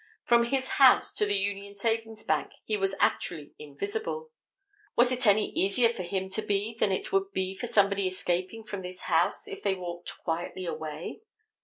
From his house to the Union Savings Bank he was actually invisible. Was it any easier for him to be than it would be for somebody escaping from this house if they walked quietly away?